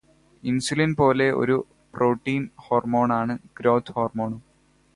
Insulin പോലെ ഒരു protein ഹോർമോണാണ് ഗ്രോത് ഹോർമോണും.